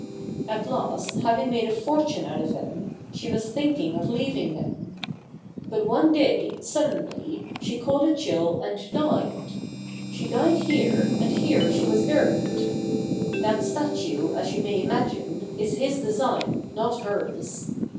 At last, having made a fortune out of him, she was thinking of leaving him. But one day, suddenly, she caught a chill and died. She died here, and here she was buried. That statue, as you may imagine, is his design not hers.